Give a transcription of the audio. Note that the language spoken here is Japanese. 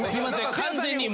完全に今。